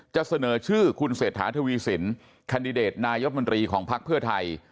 จะเสนอชื่อคุณเศรษฐาทวีสินแคนดิเดตนายมนตรีของพักเพื่อไทย